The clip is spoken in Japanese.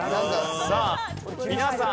さあ皆さん